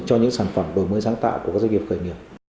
cho những sản phẩm đổi mới sáng tạo của các doanh nghiệp khởi nghiệp